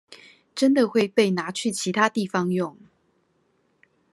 真的會被拿去其他地方用